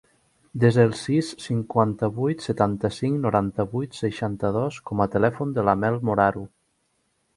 Desa el sis, cinquanta-vuit, setanta-cinc, noranta-vuit, seixanta-dos com a telèfon de la Mel Moraru.